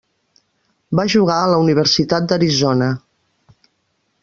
Va jugar a la universitat d'Arizona.